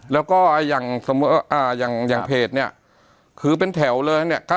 แล้วก็อย่างเพจเนี่ยคือเป็นแถวเลยเนี่ย